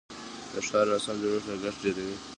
د ښار ناسم جوړښت لګښت ډیروي.